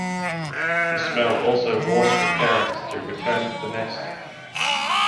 The smell also warns the parents to return to the nest.